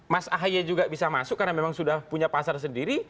mas ahaye juga bisa masuk karena memang sudah punya pasar sendiri